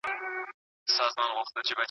هغه دوران چې چټک وي ګټور ثابت کیږي.